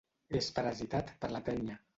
És parasitat per la tènia.